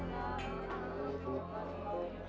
naik kita mbak